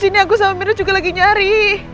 ini aku sama miru juga lagi nyari